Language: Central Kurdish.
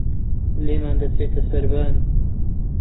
لێمان دەچتە سەربانی